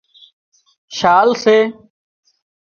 شال سي